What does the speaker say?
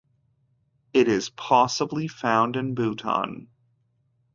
It is possibly found in Bhutan.